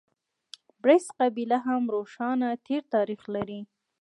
بړېڅ قبیله هم روښانه تېر تاریخ لري.